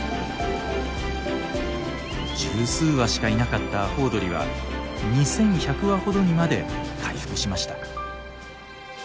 十数羽しかいなかったアホウドリは２，１００羽ほどにまで回復しました。